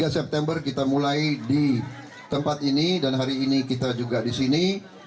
tiga september kita mulai di tempat ini dan hari ini kita juga di sini